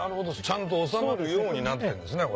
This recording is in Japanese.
ちゃんと収まるようになってるんですね